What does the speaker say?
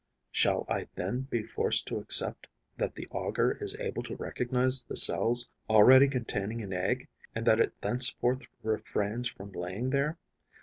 Shall I then be forced to accept that the auger is able to recognize the cells already containing an egg and that it thenceforth refrains from laying there?